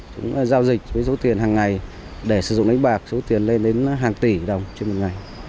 chúng ta giao dịch với số tiền hằng ngày để sử dụng đánh bạc số tiền lên đến hàng tỷ đồng trên một ngày